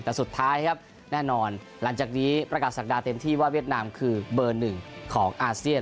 แต่สุดท้ายครับแน่นอนหลังจากนี้ประกาศศักดาเต็มที่ว่าเวียดนามคือเบอร์หนึ่งของอาเซียน